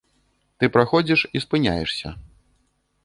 Ты праходзіш і спыняешся.